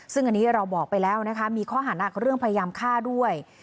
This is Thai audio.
ซึ่งอันนี้เราบอกไปแล้วนะคะมีข้อหานักเรื่องพยายามฆ่าด้วย